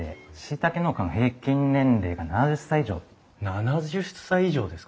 ７０歳以上ですか。